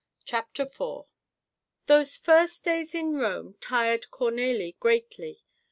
CHAPTER IV Those first days in Rome tired Cornélie greatly.